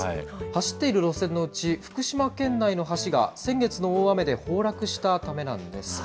走っている路線のうち、福島県内の橋が、先月の大雨で崩落したためなんです。